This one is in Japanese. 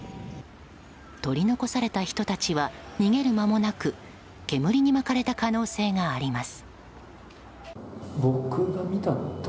取り残された人たちは逃げる間もなく煙に巻かれた可能性があります。